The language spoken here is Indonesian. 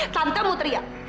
tante mau teriak